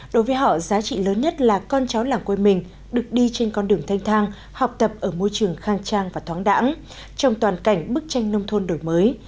đối với họ giá trị lớn nhất là con cháu làng quê mình được đi trên con đường thanh thang học tập ở môi trường khang trang và thoáng đẳng trong toàn cảnh bức tranh nông thôn đổi mới